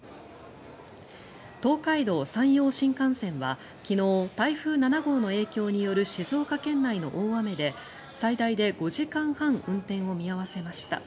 東海道・山陽新幹線は昨日台風７号の影響による静岡県内の大雨で最大で５時間半運転を見合わせました。